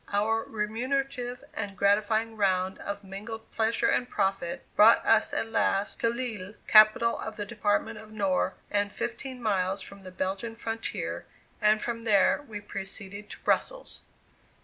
Our remunerative and gratifying round of mingled pleasure and profit, brought us at last to Lille, capital of the department of Nord, and fifteen miles from the Belgian frontier, and from there we proceeded to Brussels.